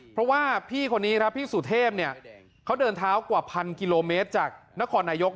เพราะว่าพี่คนนี้ครับพี่สุเทพเนี่ยเขาเดินเท้ากว่าพันกิโลเมตรจากนครนายก